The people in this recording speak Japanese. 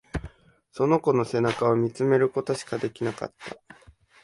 その子の背中を見つめることしかできなかった。